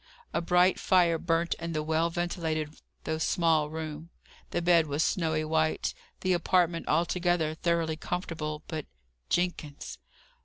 A bright fire burnt in the well ventilated though small room, the bed was snowy white, the apartment altogether thoroughly comfortable. But Jenkins!